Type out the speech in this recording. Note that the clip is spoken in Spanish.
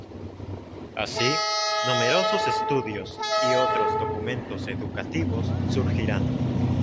Así, numerosos estudios y otros documentos educativos surgirán.